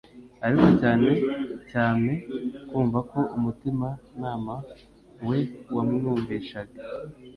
ariko cyane cyame kumva ko umutimanama we wamwumvishaga